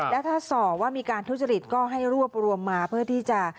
แล้วถ้าสอบว่ามีการทุจริตก็ให้รวบรวมมาเพื่อที่จะ